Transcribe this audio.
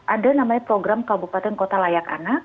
ada namanya program kabupaten kota layak anak